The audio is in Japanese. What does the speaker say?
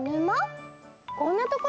こんなところで？